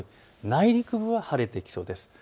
内陸部は晴れてきそうです。